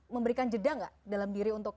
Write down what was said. memberikan jeda nggak dalam diri untuk